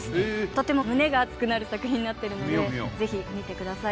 とても胸が熱くなる作品になってるのでぜひ見てください